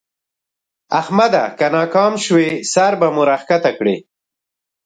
احمده! که ناکام شوې؛ سر به مو راکښته کړې.